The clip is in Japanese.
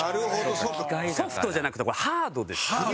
ソフトじゃなくてこれハードですから。